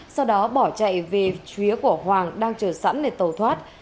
sau đó bỏ chạy về chứa của hoàng đang chờ sẵn để tàu thoát